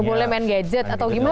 gak boleh main gejek atau gimana gitu